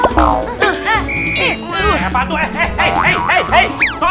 eh apa tuh